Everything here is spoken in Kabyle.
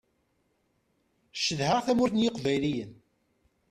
Cedhaɣ tamurt n yiqbayliyen.